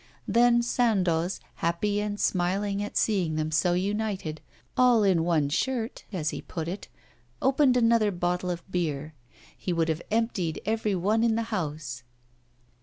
Then Sandoz, happy and smiling at seeing them so united, 'all in one shirt,' as he put it, opened another bottle of beer. He would have emptied every one in the house.